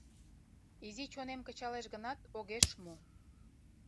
Изи чонем кычалеш гынат, огеш му.